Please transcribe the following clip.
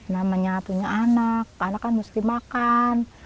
namanya punya anak anak kan mesti makan